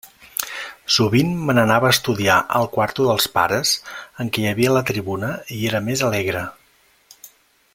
Sovint me n'anava a estudiar al quarto dels pares, en què hi havia la tribuna i era més alegre.